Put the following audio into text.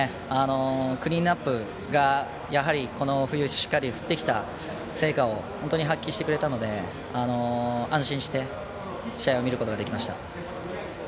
クリーンナップがこの冬しっかり振ってきた成果を本当に発揮してくれたので安心して試合を見ることができました。